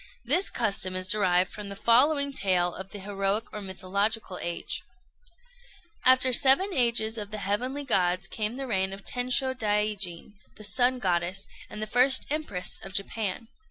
This custom is derived from the following tale of the heroic or mythological age: After the seven ages of the heavenly gods came the reign of Tensho Daijin, the Sun Goddess, and first Empress of Japan.